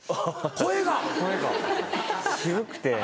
声が渋くて。